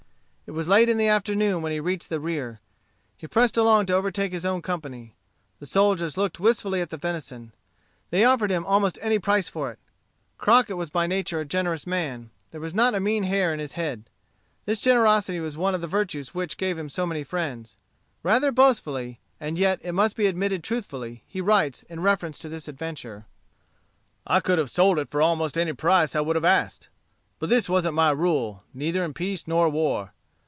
It was late in the afternoon when he reached the rear. He pressed along to overtake his own company. The soldiers looked wistfully at the venison. They offered him almost any price for it. Crockett was by nature a generous man. There was not a mean hair in his head. This generosity was one of the virtues which gave him so many friends. Rather boastfully, and yet it must be admitted truthfully, he writes, in reference to this adventure: "I could have sold it for almost any price I would have asked. But this wasn't my rule, neither in peace nor war.